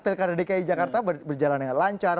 pilkada dki jakarta berjalan dengan lancar